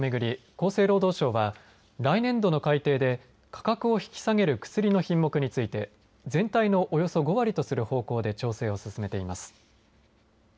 厚生労働省は、来年度の改定で価格を引き下げる薬の品目について全体のおよそ５割とする方向で調整を進めています。